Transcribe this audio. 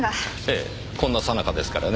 ええこんなさなかですからね。